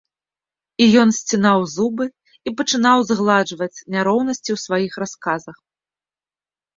І ён сцінаў зубы і пачынаў згладжваць няроўнасці ў сваіх расказах.